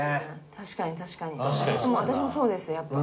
確かに確かに私もそうですやっぱ。